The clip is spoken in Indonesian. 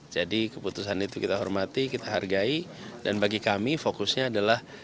keputusan itu kita hormati kita hargai dan bagi kami fokusnya adalah